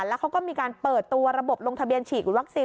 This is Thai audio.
แล้วเขาก็มีการเปิดตัวระบบลงทะเบียนฉีดวัคซีน